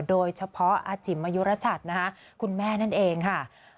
โดยเฉพาะอาจิ๋มมายุรชัดนะคะคุณแม่นั่นเองค่ะ